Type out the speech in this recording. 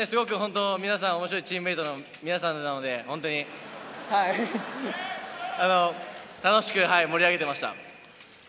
面白いチームメートの皆さんなので、楽しく盛り上げてました。